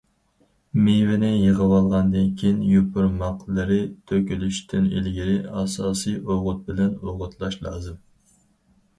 مېۋىنى يىغىۋالغاندىن كېيىن، يوپۇرماقلىرى تۆكۈلۈشتىن ئىلگىرى، ئاساسىي ئوغۇت بىلەن ئوغۇتلاش لازىم.